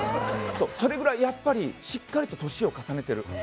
それぐらい、やっぱりしっかりと年を重ねてる。